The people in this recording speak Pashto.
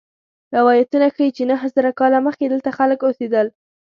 روایتونه ښيي چې نهه زره کاله مخکې دلته خلک اوسېدل.